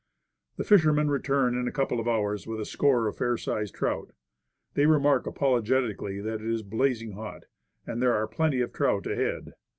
The fishermen return in a couple of hours, with a score of fair sized trout. They remark apolo getically that it is blazing hot and there are plenty of trout ahead.